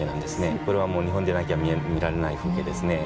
これはもう日本でなきゃ見られない風景ですね。